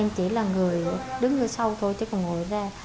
em chỉ là người đứng ở sau thôi chứ còn ngồi ra